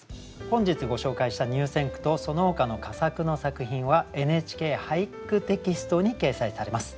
本日ご紹介した入選句とそのほかの佳作の作品は「ＮＨＫ俳句テキスト」に掲載されます。